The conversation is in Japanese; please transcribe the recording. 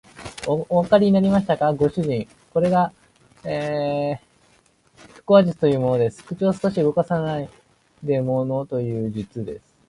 おわかりになりましたか、ご主人。これが腹話術というものです。口を少しも動かさないでものをいう術です。